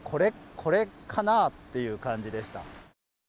これかな？っていう感じでした。